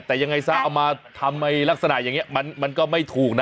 แต่ยังไงซะเอามาทำลักษณะอย่างนี้มันก็ไม่ถูกนะ